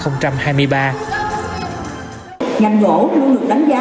ngành gỗ luôn được đánh giá